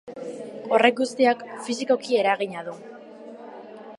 Horrek guztiak, fisikoki eragina du.